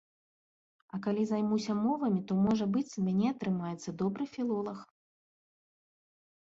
А калі займуся мовамі, то, можа быць, з мяне атрымаецца добры філолаг.